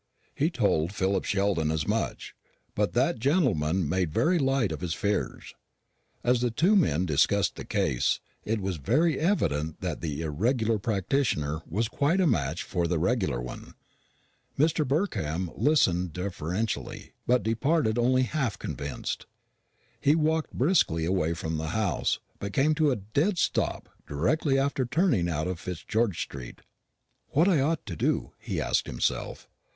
He told Philip Sheldon as much; but that gentleman made very light of his fears. As the two men discussed the case, it was very evident that the irregular practitioner was quite a match for the regular one. Mr. Burkham listened deferentially, but departed only half convinced. He walked briskly away from the house, but came to a dead stop directly after turning out of Fitzgeorge street. "What ought I to do?" he asked himself.